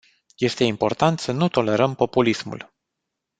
Este important să nu tolerăm populismul.